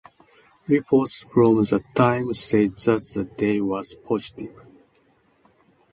Reports from the time say that the day was positive.